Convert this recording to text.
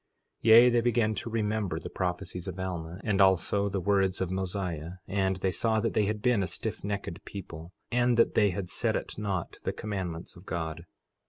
4:21 Yea, they began to remember the prophecies of Alma, and also the words of Mosiah; and they saw that they had been a stiffnecked people, and that they had set at naught the commandments of God.